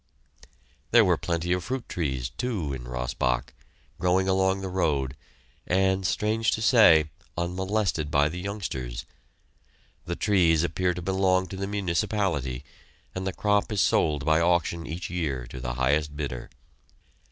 There were plenty of fruit trees, too, in Rossbach, growing along the road, and, strange to say, unmolested by the youngsters. The trees appear to belong to the municipality, and the crop is sold by auction each year to the highest bidder.